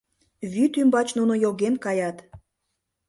Вӱд ӱмбач нуно йоген каят.